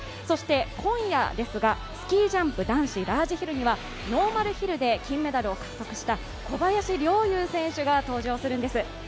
今夜ですが、スキージャンプ男子ラージヒルにはノーマルヒルで金メダルを獲得した小林陵侑選手が登場するんです。